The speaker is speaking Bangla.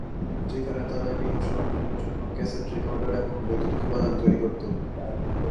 যেখানে তারা গৃহ সরঞ্জামের জন্য ক্যাসেট রেকর্ডার এবং বৈদ্যুতিক উপাদান তৈরি করতো।